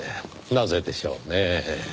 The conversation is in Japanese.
なぜでしょうねぇ。